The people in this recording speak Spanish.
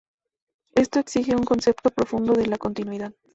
Esto exige un concepto profundo de la "continuidad".